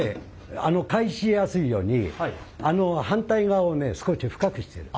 返しやすいように反対側をね少し深くしてる。